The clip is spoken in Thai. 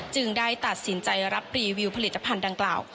ได้ตัดสินใจรับรีวิวผลิตภัณฑ์ดังกล่าว